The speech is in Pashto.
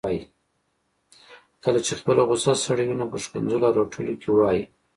کله چي خپله غصه سړوي نو په ښکنځلو او رټلو کي وايي